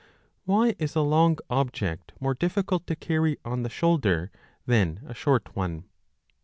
Why is a long object more difficult to carry on the shoulder than a short one